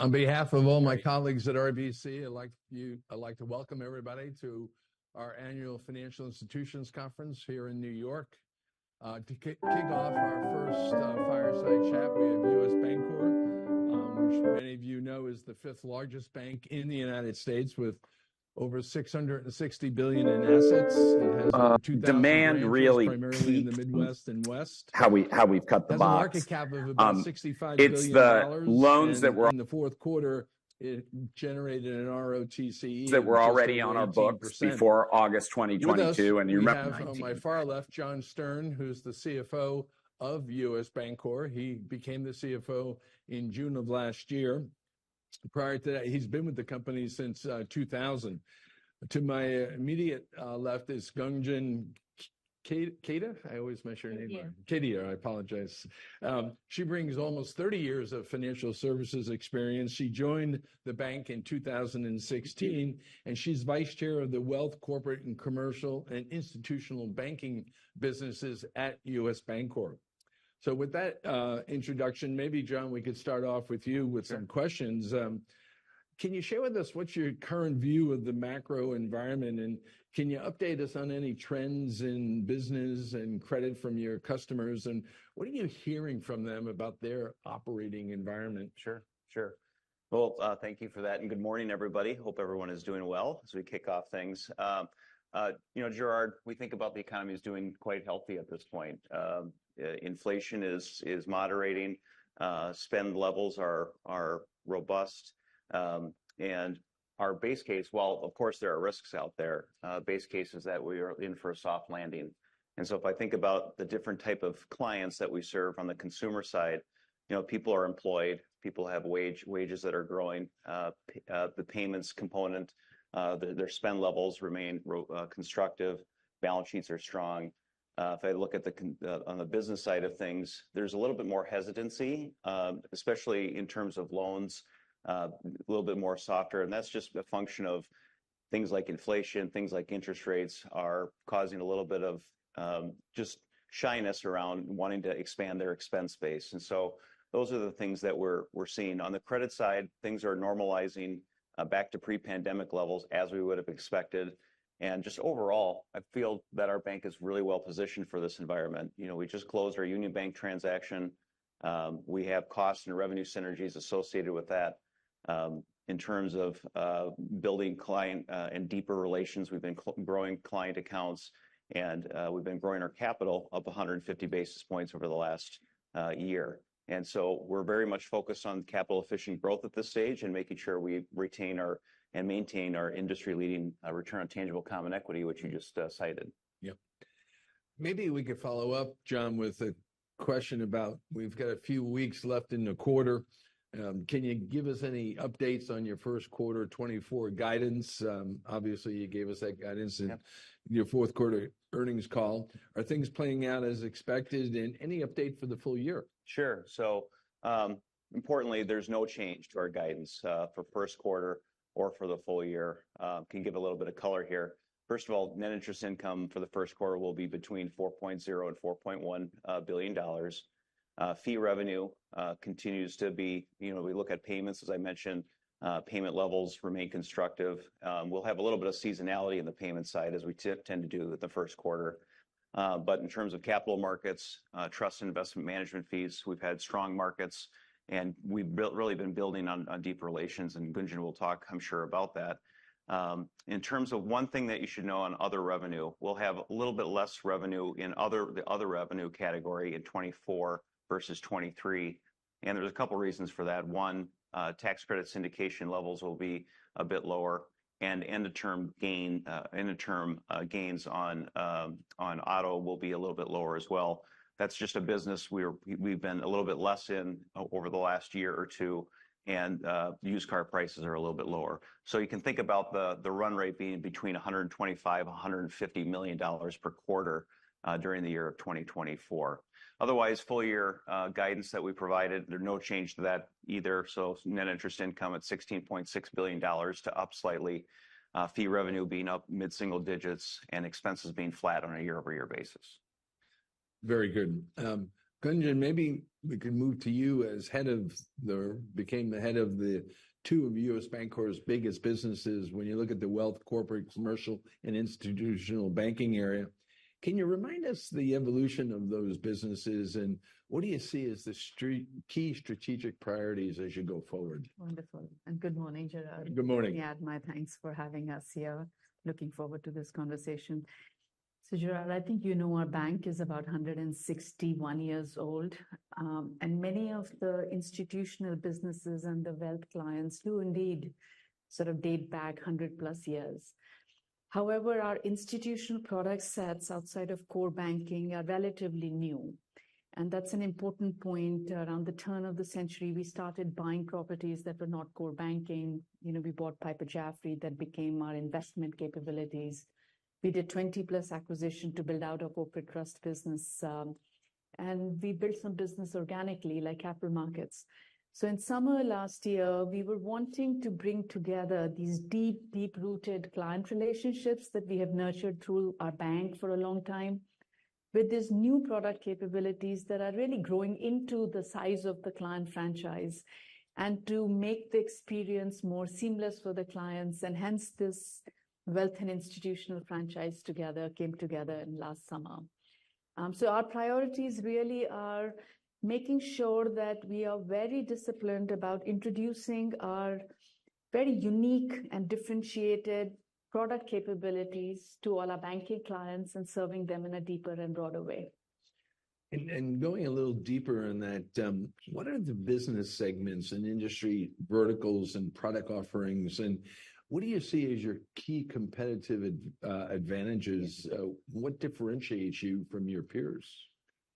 On behalf of all my colleagues at RBC, I'd like to welcome everybody to our annual Financial Institutions Conference here in New York. To kick off our first fireside chat, we have U.S. Bancorp, which many of you know is the fifth-largest bank in the United States, with over $660 billion in assets. It has over 2,000 branches- That were already on our books before August 2022, and you rep- 19. With us, we have on my far left John Stern, who's the CFO of U.S. Bancorp. He became the CFO in June of last year. Prior to that, he's been with the company since 2000. To my immediate left is Gunjan Kedia? I always mispronounce your name. Kaida. Kedia, I apologize. She brings almost 30 years of financial services experience. She joined the bank in 2016, and she's Vice Chair of the Wealth, Corporate, Commercial, and Institutional Banking businesses at U.S. Bancorp. With that introduction, maybe John, we could start off with you with some questions. Can you share with us what's your current view of the macro environment, and can you update us on any trends in business and credit from your customers, and what are you hearing from them about their operating environment? Sure, sure. Well, thank you for that, and good morning, everybody. Hope everyone is doing well as we kick off things. You know, Gerard, we think about the economy as doing quite healthy at this point. Inflation is moderating, spend levels are robust, and our base case... Well, of course, there are risks out there. Base case is that we are in for a soft landing. And so if I think about the different type of clients that we serve on the consumer side, you know, people are employed, people have wages that are growing. The payments component, their spend levels remain constructive. Balance sheets are strong. If I look at the on the business side of things, there's a little bit more hesitancy, especially in terms of loans, a little bit more softer, and that's just a function of things like inflation, things like interest rates are causing a little bit of, just shyness around wanting to expand their expense base. And so those are the things that we're, we're seeing. On the credit side, things are normalizing, back to pre-pandemic levels, as we would've expected, and just overall, I feel that our bank is really well-positioned for this environment. You know, we just closed our Union Bank transaction. We have cost and revenue synergies associated with that. In terms of building client and deeper relations, we've been growing client accounts, and we've been growing our capital up 150 basis points over the last year. And so we're very much focused on capital-efficient growth at this stage and making sure we retain our, and maintain our industry-leading Return on Tangible Common Equity, which you just cited. Yep. Maybe we could follow up, John, with a question about we've got a few weeks left in the quarter. Can you give us any updates on your first quarter 2024 guidance? Obviously, you gave us that guidance in- Yeah... your fourth quarter earnings call. Are things playing out as expected, and any update for the full year? Sure. So, importantly, there's no change to our guidance for first quarter or for the full year. Can give a little bit of color here. First of all, net interest income for the first quarter will be between $4.0 billion and $4.1 billion. Fee revenue continues to be... You know, we look at payments, as I mentioned. Payment levels remain constructive. We'll have a little bit of seasonality in the payment side, as we tend to do with the first quarter. But in terms of capital markets, trust and investment management fees, we've had strong markets, and we've really been building on deep relations, and Gunjan will talk, I'm sure, about that. In terms of one thing that you should know on other revenue, we'll have a little bit less revenue in the other revenue category in 2024 versus 2023, and there's a couple reasons for that. One, tax credit syndication levels will be a bit lower, and end-of-term gains on auto will be a little bit lower as well. That's just a business we've been a little bit less in over the last year or two, and used car prices are a little bit lower. So you can think about the run rate being between $125 million and $150 million per quarter during 2024. Otherwise, full year guidance that we provided, there's no change to that either. Net interest income at $16.6 billion to up slightly, fee revenue being up mid-single digits, and expenses being flat on a year-over-year basis. Very good. Gunjan, maybe we could move to you as head of the... became the head of the two of U.S. Bancorp's biggest businesses. When you look at the Wealth, Corporate, Commercial, and Institutional Banking area, can you remind us the evolution of those businesses, and what do you see as the key strategic priorities as you go forward? Wonderful, and good morning, Gerard. Good morning. Let me add my thanks for having us here. Looking forward to this conversation. So Gerard, I think you know our bank is about 161 years old, and many of the institutional businesses and the wealth clients do indeed sort of date back 100+ years. However, our institutional product sets outside of core banking are relatively new, and that's an important point. Around the turn of the century, we started buying properties that were not core banking. You know, we bought Piper Jaffray. That became our investment capabilities. We did 20+ acquisition to build out our Corporate Trust business, and we built some business organically, like capital markets. So in summer last year, we were wanting to bring together these deep, deep-rooted client relationships that we have nurtured through our bank for a long time.... with these new product capabilities that are really growing into the size of the client franchise and to make the experience more seamless for the clients, and hence this wealth and institutional franchise together came together in last summer. So our priorities really are making sure that we are very disciplined about introducing our very unique and differentiated product capabilities to all our banking clients and serving them in a deeper and broader way. Going a little deeper in that, what are the business segments and industry verticals and product offerings, and what do you see as your key competitive advantages? What differentiates you from your peers?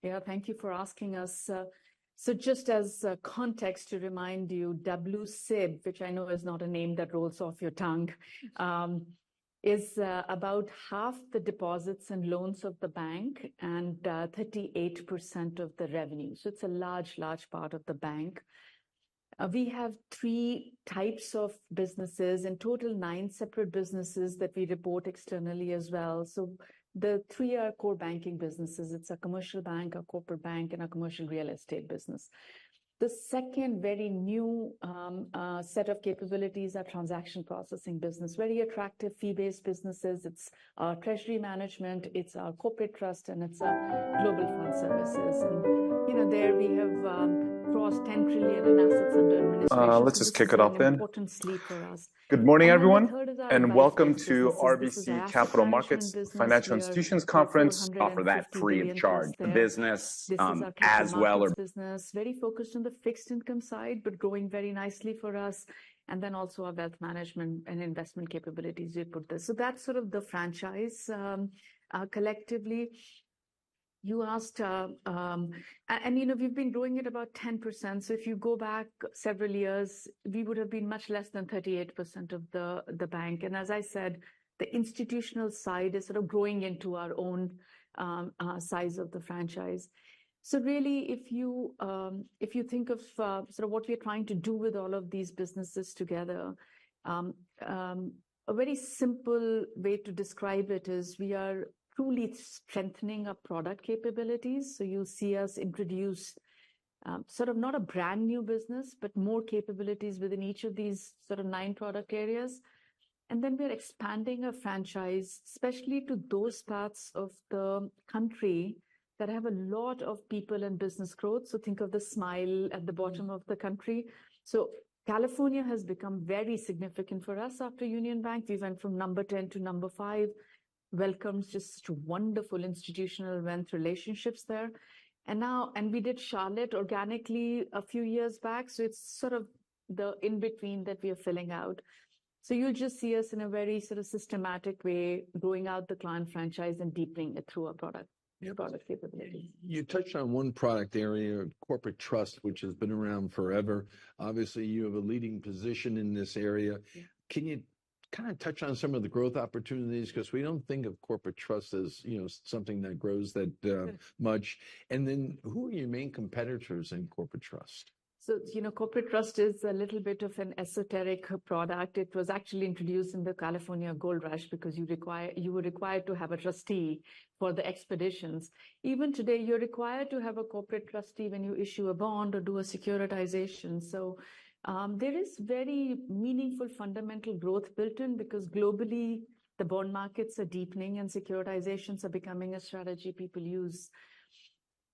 Yeah, thank you for asking us. So just as context to remind you, WCIB, which I know is not a name that rolls off your tongue, is about half the deposits and loans of the bank and 38% of the revenue. So it's a large, large part of the bank. We have three types of businesses, in total, nine separate businesses that we report externally as well. So the three are core banking businesses. It's a commercial bank, a corporate bank, and a commercial real estate business. The second very new set of capabilities are transaction processing business. Very attractive fee-based businesses. It's our Treasury Management, it's our corporate trust, and it's our Global Fund Services. And, you know, there we have crossed 10 trillion in assets under administration- Very focused on the fixed income side, but growing very nicely for us, and then also our wealth management and investment capabilities we put there. So that's sort of the franchise. Collectively, you asked. And, you know, we've been growing at about 10%, so if you go back several years, we would have been much less than 38% of the bank. And as I said, the institutional side is sort of growing into our own size of the franchise. So really, if you think of sort of what we are trying to do with all of these businesses together, a very simple way to describe it is we are truly strengthening our product capabilities. So you'll see us introduce sort of not a brand-new business, but more capabilities within each of these sort of 9 product areas. And then we are expanding our franchise, especially to those parts of the country that have a lot of people and business growth. So think of the smile at the bottom of the country. So California has become very significant for us after Union Bank. We went from number 10 to number 5. We have just wonderful institutional event relationships there. And now and we did Charlotte organically a few years back, so it's sort of the in-between that we are filling out. So you'll just see us in a very sort of systematic way, growing out the client franchise and deepening it through our product, new product capabilities. You touched on one product area, corporate trust, which has been around forever. Obviously, you have a leading position in this area. Yeah. Can you kind of touch on some of the growth opportunities? Because we don't think of corporate trust as, you know, something that grows that much. And then who are your main competitors in corporate trust? So, you know, corporate trust is a little bit of an esoteric product. It was actually introduced in the California Gold Rush because you require, you were required to have a trustee for the expeditions. Even today, you're required to have a corporate trustee when you issue a bond or do a securitization. So, there is very meaningful fundamental growth built in because globally, the bond markets are deepening and securitizations are becoming a strategy people use.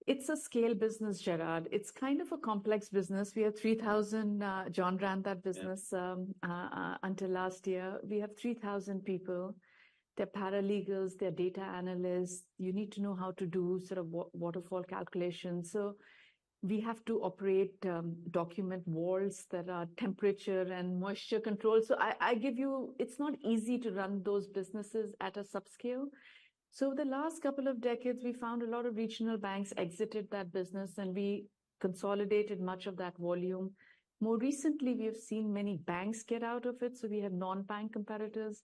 It's a scale business, Gerard. It's kind of a complex business. We have 3,000, John ran that business- Yeah Until last year. We have 3,000 people. They're paralegals, they're data analysts. You need to know how to do sort of waterfall calculations. So we have to operate document walls that are temperature and moisture controlled. So, it's not easy to run those businesses at a subscale. So the last couple of decades, we found a lot of regional banks exited that business, and we consolidated much of that volume. More recently, we have seen many banks get out of it, so we have non-bank competitors.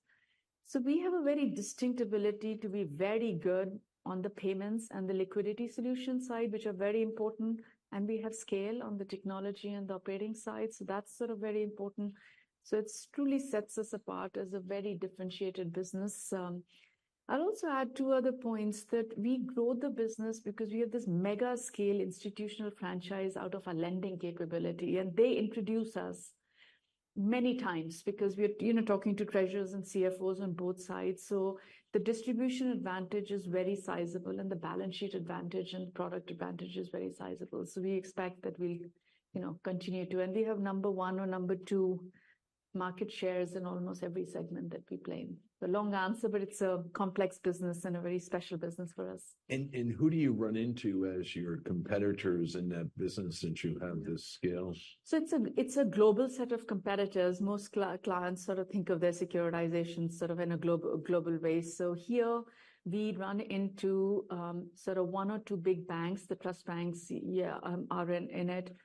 So we have a very distinct ability to be very good on the payments and the liquidity solution side, which are very important, and we have scale on the technology and the operating side, so that's sort of very important. So it's truly sets us apart as a very differentiated business. I'll also add two other points, that we grow the business because we have this mega scale institutional franchise out of a lending capability, and they introduce us many times because we are, you know, talking to treasurers and CFOs on both sides. So the distribution advantage is very sizable, and the balance sheet advantage and product advantage is very sizable. So we expect that we, you know, continue to, and we have number one or number two market shares in almost every segment that we play in. The long answer, but it's a complex business and a very special business for us. And who do you run into as your competitors in that business since you have this scale? So it's a global set of competitors. Most clients sort of think of their securitizations sort of in a global, global way. So here we run into sort of one or two big banks. The trust banks, yeah, are in it.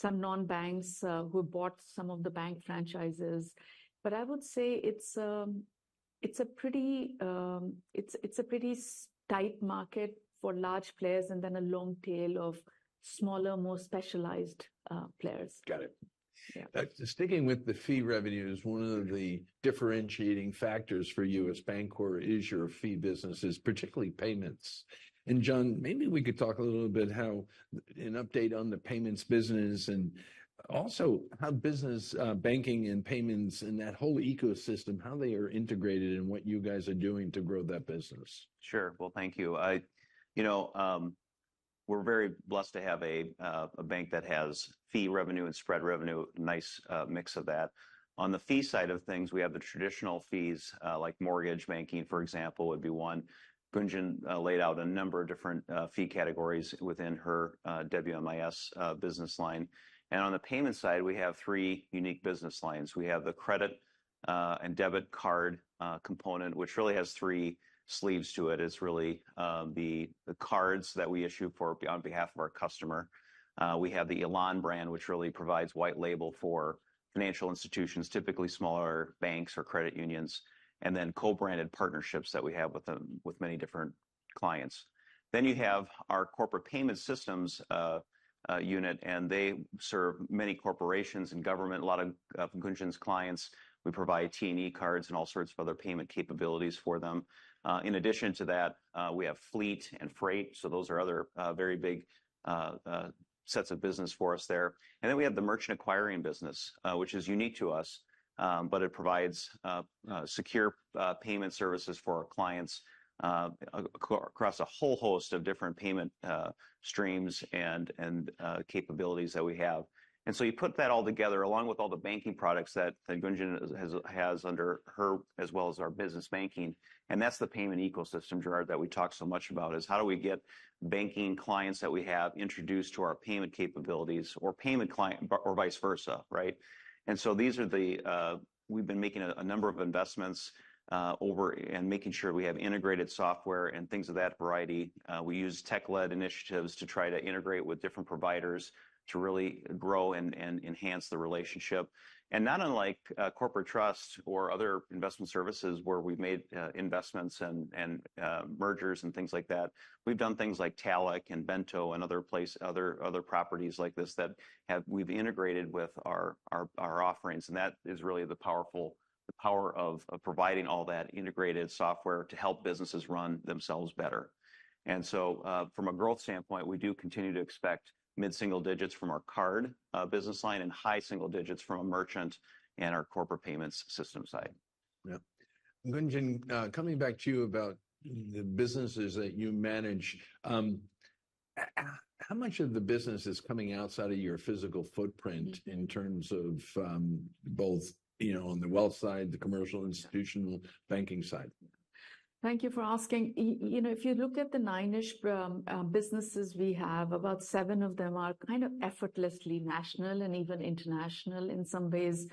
Some non-banks who bought some of the bank franchises. But I would say it's a pretty tight market for large players and then a long tail of smaller, more specialized players. Got it. Yeah. Sticking with the fee revenues, one of the differentiating factors for you as U.S. Bancorp is your fee businesses, particularly payments. And John, maybe we could talk a little bit how, an update on the payments business, and also how business, banking, and payments, and that whole ecosystem, how they are integrated, and what you guys are doing to grow that business. Sure. Well, thank you. I, you know, we're very blessed to have a, a bank that has fee revenue and spread revenue, nice mix of that. On the fee side of things, we have the traditional fees, like mortgage banking, for example, would be one. Gunjan laid out a number of different fee categories within her WMIS business line. And on the payment side, we have three unique business lines. We have the credit and debit card component, which really has three sleeves to it. It's really the cards that we issue for, on behalf of our customer. We have the Elan brand, which really provides white label for financial institutions, typically smaller banks or credit unions, and then co-branded partnerships that we have with them, with many different clients. Then you have our Corporate Payment Systems unit, and they serve many corporations and government, a lot of Gunjan's clients. We provide T&E cards and all sorts of other payment capabilities for them. In addition to that, we have fleet and freight, so those are other very big sets of business for us there. And then we have the merchant acquiring business, which is unique to us, but it provides secure payment services for our clients across a whole host of different payment streams and capabilities that we have. And so you put that all together, along with all the banking products that Gunjan has under her, as well as our business banking, and that's the payment ecosystem, Gerard, that we talk so much about, is how do we get banking clients that we have introduced to our payment capabilities or payment client or vice versa, right? And so these are the, we've been making a number of investments over and making sure we have integrated software and things of that variety. We use tech-led initiatives to try to integrate with different providers to really grow and enhance the relationship. Not unlike corporate trust or other investment services, where we've made investments and mergers and things like that, we've done things like Talech and Bento and other properties like this that we've integrated with our offerings. And that is really the power of providing all that integrated software to help businesses run themselves better. And so, from a growth standpoint, we do continue to expect mid-single digits from our card business line and high single digits from a merchant and our Corporate Payment Systems side. Yeah. Gunjan, coming back to you about the businesses that you manage, how much of the business is coming outside of your physical footprint in terms of, both, you know, on the wealth side, the commercial institutional banking side? Thank you for asking. You know, if you look at the nine-ish businesses we have, about seven of them are kind of effortlessly national and even international in some ways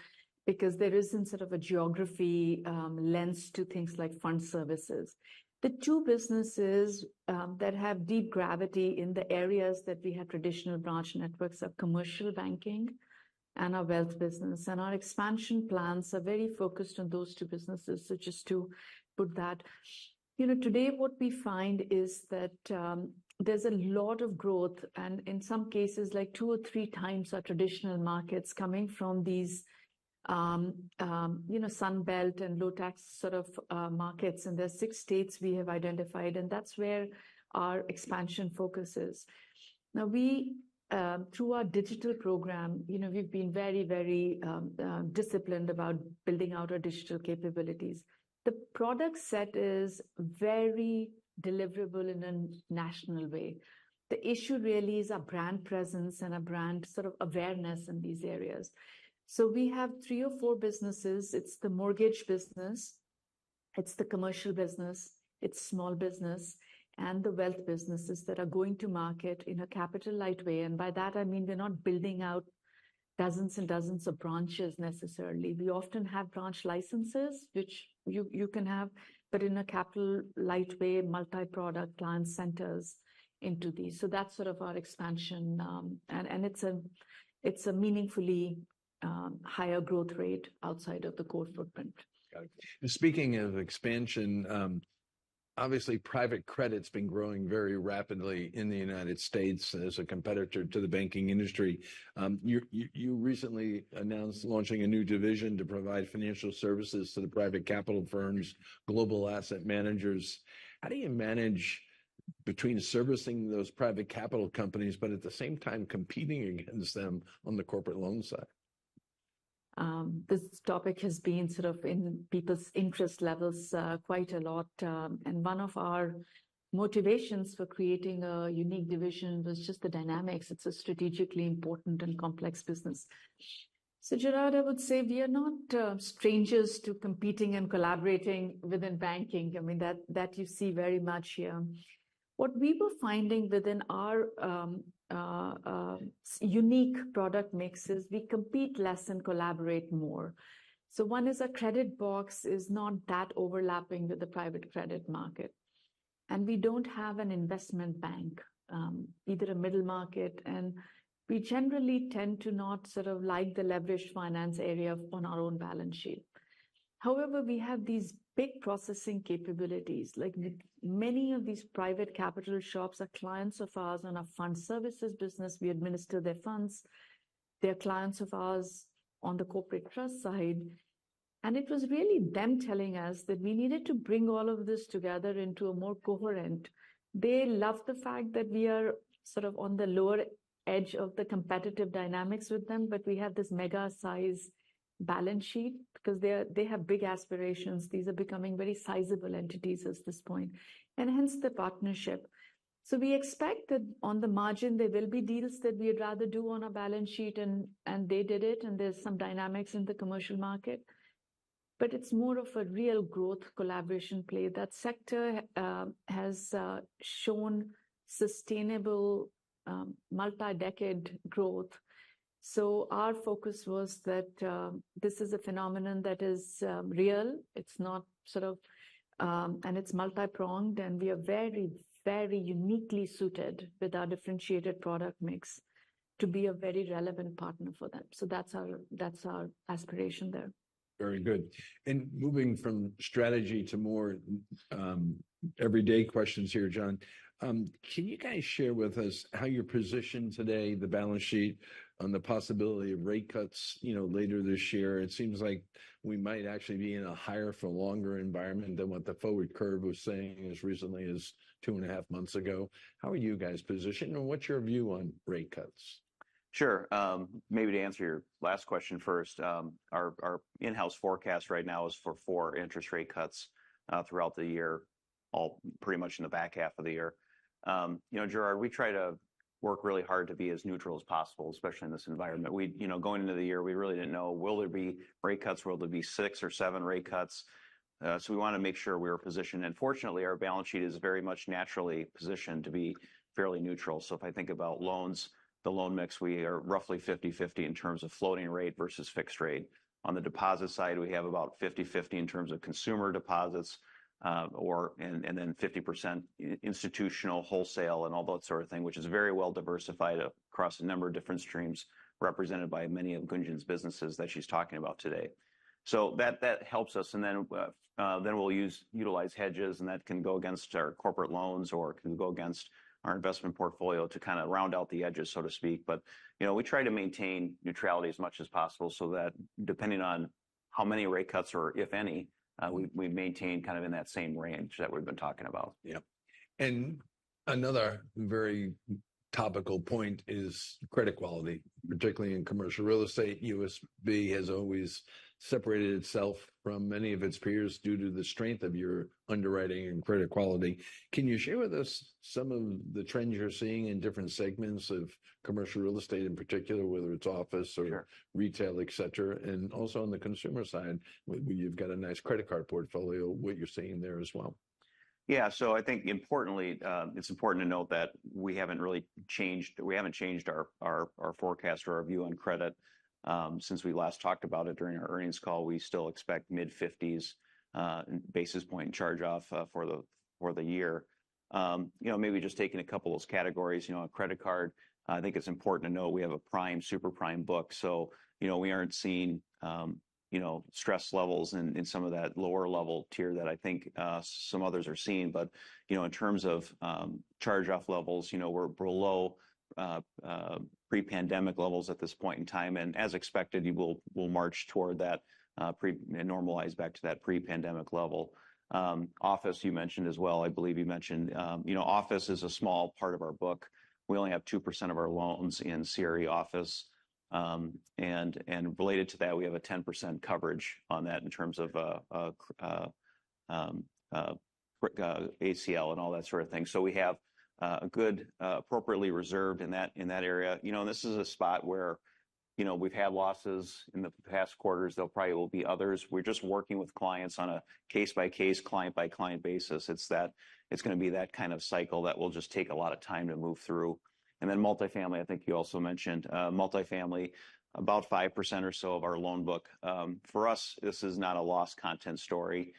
because there isn't sort of a geography lens to things like fund services. The two businesses that have deep gravity in the areas that we have traditional branch networks are commercial banking and our wealth business, and our expansion plans are very focused on those two businesses, so just to put that. You know, today, what we find is that there's a lot of growth, and in some cases, like two or three times our traditional markets coming from these, you know, Sun Belt and low-tax sort of markets, and there's six states we have identified, and that's where our expansion focus is. Now, we, through our digital program, you know, we've been very, very, disciplined about building out our digital capabilities. The product set is very deliverable in a national way. The issue really is our brand presence and our brand sort of awareness in these areas. So we have three or four businesses. It's the mortgage business, it's the commercial business, it's small business, and the wealth businesses that are going to market in a capital-light way, and by that I mean we're not building out dozens and dozens of branches necessarily. We often have branch licenses, which you can have, but in a capital-light way, multi-product client centers into these. So that's sort of our expansion, and it's a meaningfully higher growth rate outside of the core footprint. Got it. And speaking of expansion, obviously, private credit's been growing very rapidly in the United States as a competitor to the banking industry. You recently announced launching a new division to provide financial services to the private capital firms, global asset managers. How do you manage between servicing those private capital companies, but at the same time competing against them on the corporate loan side? This topic has been sort of in people's interest levels quite a lot, and one of our motivations for creating a unique division was just the dynamics. It's a strategically important and complex business. So Gerard, I would say we are not strangers to competing and collaborating within banking. I mean, that you see very much here. What we were finding within our unique product mix is we compete less and collaborate more. So one is our credit box is not that overlapping with the private credit market, and we don't have an investment bank either a middle market, and we generally tend to not sort of like the leveraged finance area on our own balance sheet. However, we have these big processing capabilities. Like, many of these private capital shops are clients of ours in our fund services business. We administer their funds. They're clients of ours on the corporate trust side, and it was really them telling us that we needed to bring all of this together into a more coherent. They love the fact that we are sort of on the lower edge of the competitive dynamics with them, but we have this mega-size balance sheet because they are--they have big aspirations. These are becoming very sizable entities at this point, and hence the partnership. So we expect that on the margin, there will be deals that we'd rather do on a balance sheet, and they did it, and there's some dynamics in the commercial market. But it's more of a real growth collaboration play. That sector has shown sustainable multi-decade growth, so our focus was that this is a phenomenon that is real. It's not sort of... It's multi-pronged, and we are very, very uniquely suited with our differentiated product mix to be a very relevant partner for them. That's our, that's our aspiration there. Very good. And moving from strategy to more everyday questions here, John. Can you guys share with us how you're positioned today, the balance sheet, on the possibility of rate cuts, you know, later this year? It seems like we might actually be in a higher-for-longer environment than what the forward curve was saying as recently as two and a half months ago. How are you guys positioned, and what's your view on rate cuts? Sure. Maybe to answer your last question first, our in-house forecast right now is for 4 interest rate cuts throughout the year, all pretty much in the back half of the year. You know, Gerard, we try to work really hard to be as neutral as possible, especially in this environment. You know, going into the year, we really didn't know, will there be rate cuts? Will there be 6 or 7 rate cuts? So we want to make sure we were positioned, and fortunately, our balance sheet is very much naturally positioned to be fairly neutral. So if I think about loans, the loan mix, we are roughly 50/50 in terms of floating rate versus fixed rate. On the deposit side, we have about 50/50 in terms of consumer deposits, and then 50% institutional, wholesale, and all that sort of thing, which is very well diversified across a number of different streams represented by many of Gunjan's businesses that she's talking about today. So that helps us, and then we'll utilize hedges, and that can go against our corporate loans, or it can go against our investment portfolio to kind of round out the edges, so to speak. But, you know, we try to maintain neutrality as much as possible, so that depending on how many rate cuts or, if any, we maintain kind of in that same range that we've been talking about. Yeah. And another very topical point is credit quality, particularly in commercial real estate. USB has always separated itself from many of its peers due to the strength of your underwriting and credit quality. Can you share with us some of the trends you're seeing in different segments of commercial real estate in particular, whether it's office or- Sure... retail, et cetera, and also on the consumer side, where you've got a nice credit card portfolio, what you're seeing there as well? Yeah, so I think importantly, it's important to note that we haven't really changed... We haven't changed our forecast or our view on credit, since we last talked about it during our earnings call. We still expect mid-50s basis point charge-off for the year. You know, maybe just taking a couple of those categories, you know, on credit card, I think it's important to note we have a prime, super prime book, so, you know, we aren't seeing, you know, stress levels in some of that lower-level tier that I think some others are seeing. But, you know, in terms of charge-off levels, you know, we're below pre-pandemic levels at this point in time, and as expected, we'll march toward that, normalize back to that pre-pandemic level. Office you mentioned as well. I believe you mentioned, you know, office is a small part of our book. We only have 2% of our loans in CRE office, and related to that, we have a 10% coverage on that in terms of, ACL and all that sort of thing. So we have a good, appropriately reserved in that area. You know, and this is a spot where, you know, we've had losses in the past quarters. There probably will be others. We're just working with clients on a case-by-case, client-by-client basis. It's gonna be that kind of cycle that will just take a lot of time to move through. And then multifamily, I think you also mentioned. Multifamily, about 5% or so of our loan book. For us, this is not a loss content story.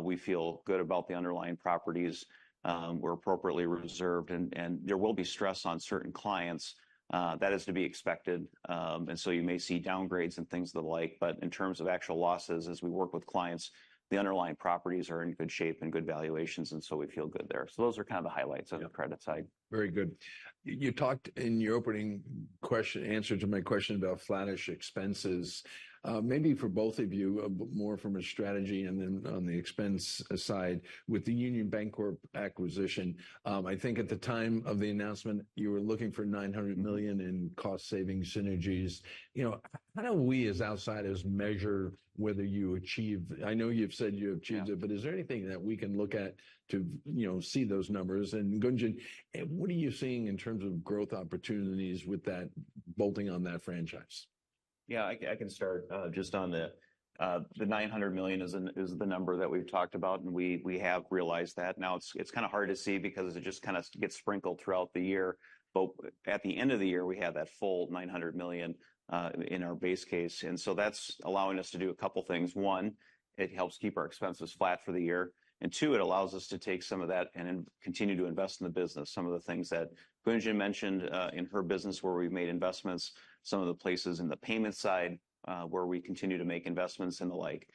We feel good about the underlying properties. We're appropriately reserved, and there will be stress on certain clients. That is to be expected, and so you may see downgrades and things of the like. But in terms of actual losses, as we work with clients, the underlying properties are in good shape and good valuations, and so we feel good there. So those are kind of the highlights. Yeah... on the credit side. Very good. You talked in your opening question, answer to my question about flattish expenses. Maybe for both of you, but more from a strategy and then on the expense side, with the Union Bank acquisition, I think at the time of the announcement, you were looking for $900 million in cost-saving synergies. You know, how do we, as outsiders, measure whether you achieved... I know you've said you achieved it- Yeah... but is there anything that we can look at to, you know, see those numbers? And Gunjan, and what are you seeing in terms of growth opportunities with that, bolting on that franchise?... Yeah, I can start just on the $900 million is the number that we've talked about, and we have realized that. Now, it's kind of hard to see because it just kind of gets sprinkled throughout the year, but at the end of the year, we have that full $900 million in our base case. And so that's allowing us to do a couple things. One, it helps keep our expenses flat for the year, and two, it allows us to take some of that and then continue to invest in the business. Some of the things that Gunjan mentioned in her business where we've made investments, some of the places in the payment side where we continue to make investments and the like,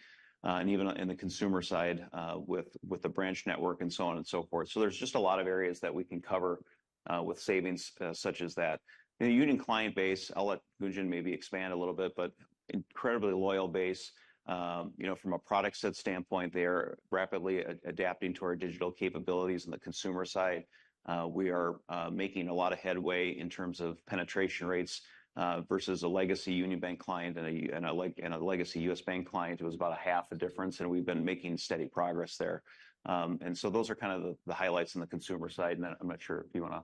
and even in the consumer side with the branch network and so on and so forth. So there's just a lot of areas that we can cover with savings such as that. The Union client base, I'll let Gunjan maybe expand a little bit, but incredibly loyal base. You know, from a product set standpoint, they are rapidly adapting to our digital capabilities. In the consumer side, we are making a lot of headway in terms of penetration rates versus a legacy Union Bank client and a legacy U.S. Bank client, who was about a half a difference, and we've been making steady progress there. And so those are kind of the highlights on the consumer side, and then I'm not sure if you want to-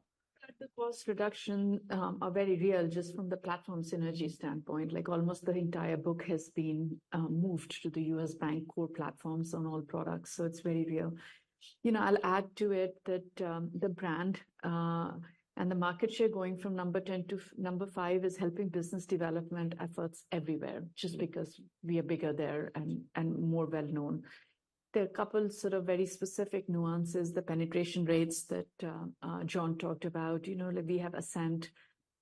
The cost reduction are very real, just from the platform synergy standpoint. Like, almost the entire book has been moved to the U.S. Bank core platforms on all products, so it's very real. You know, I'll add to it that the brand and the market share going from number 10 to number 5 is helping business development efforts everywhere, just because we are bigger there and more well known. There are a couple sort of very specific nuances, the penetration rates that John talked about. You know, like we have Ascent.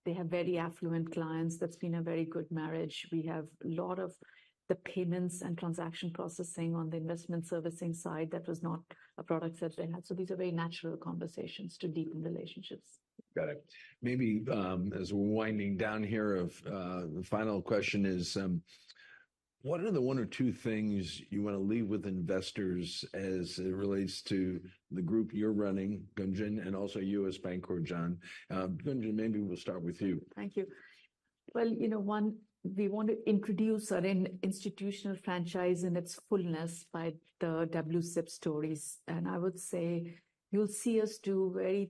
They have very affluent clients. That's been a very good marriage. We have a lot of the payments and transaction processing on the investment servicing side. That was not a product that they had. So these are very natural conversations to deepen relationships. Got it. Maybe as we're winding down here, the final question is, what are the one or two things you want to leave with investors as it relates to the group you're running, Gunjan, and also U.S. Bancorp, John? Gunjan, maybe we'll start with you. Thank you. Well, you know, one, we want to introduce our institutional franchise in its fullness by the WSIB stories, and I would say you'll see us do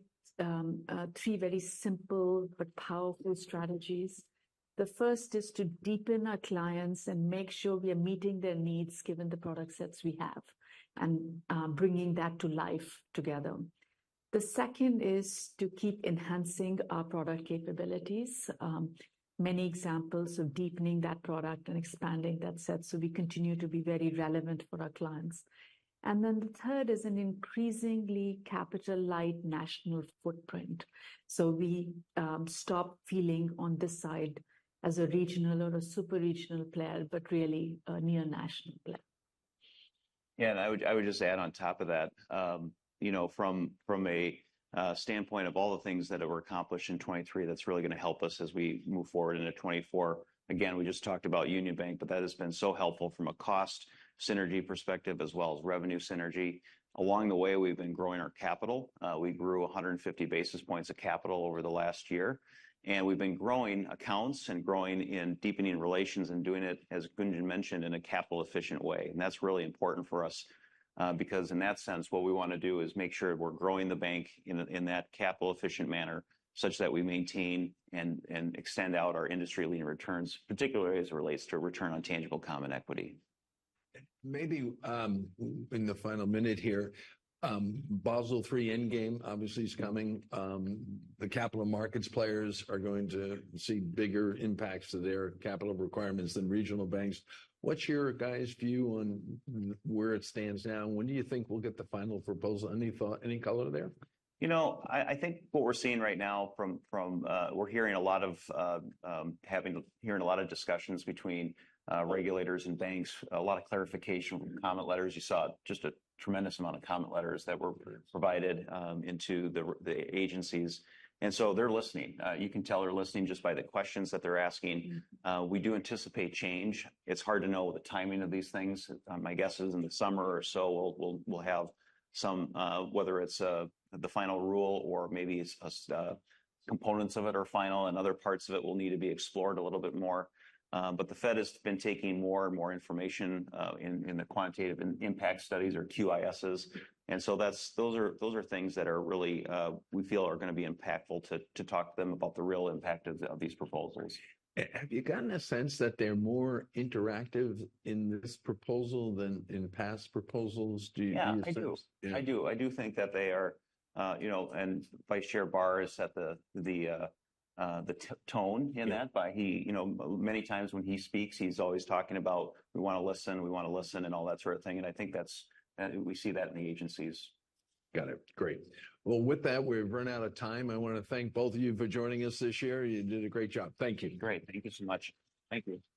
three very simple but powerful strategies. The first is to deepen our clients and make sure we are meeting their needs, given the product sets we have, and bringing that to life together. The second is to keep enhancing our product capabilities. Many examples of deepening that product and expanding that set, so we continue to be very relevant for our clients. And then the third is an increasingly capital-light national footprint. So we stop feeling on this side as a regional or a super regional player, but really a near national player. Yeah, and I would just add on top of that, you know, from a standpoint of all the things that were accomplished in 2023, that's really going to help us as we move forward into 2024. Again, we just talked about Union Bank, but that has been so helpful from a cost synergy perspective, as well as revenue synergy. Along the way, we've been growing our capital. We grew 150 basis points of capital over the last year, and we've been growing accounts and growing in deepening relations and doing it, as Gunjan mentioned, in a capital-efficient way. That's really important for us, because in that sense, what we want to do is make sure we're growing the bank in a capital-efficient manner such that we maintain and extend out our industry-leading returns, particularly as it relates to return on tangible common equity. Maybe, in the final minute here, Basel III Endgame obviously is coming. The capital markets players are going to see bigger impacts to their capital requirements than regional banks. What's your guys' view on where it stands now, and when do you think we'll get the final proposal? Any thought, any color there? You know, we're hearing a lot of discussions between regulators and banks, a lot of clarification with comment letters. You saw just a tremendous amount of comment letters that were- Mm-hmm... provided into the agencies, and so they're listening. You can tell they're listening just by the questions that they're asking. Mm-hmm. We do anticipate change. It's hard to know the timing of these things. My guess is in the summer or so, we'll have some, whether it's the final rule or maybe it's components of it are final and other parts of it will need to be explored a little bit more. But the Fed has been taking more and more information in the quantitative impact studies or QISs, and so that's those are things that are really we feel are going to be impactful to talk to them about the real impact of these proposals. Have you gotten a sense that they're more interactive in this proposal than in past proposals? Do you, do you- Yeah, I do. Yeah. I do. I do think that they are, you know, and Vice Chair Barr is set the tone in that- Yeah... by he, you know, many times when he speaks, he's always talking about, "We want to listen, we want to listen," and all that sort of thing, and I think that's, we see that in the agencies. Got it. Great. Well, with that, we've run out of time. I want to thank both of you for joining us this year. You did a great job. Thank you. Great. Thank you so much. Thank you.